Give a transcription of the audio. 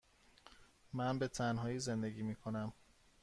من به تنهایی زندگی می کنم.